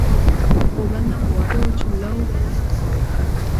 غوبل نه و، واده و چې لو به یې هم کاوه.